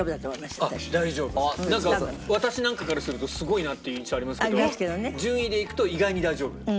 なんか私なんかからするとすごいなっていう印象ありますけど順位でいくと意外に大丈夫。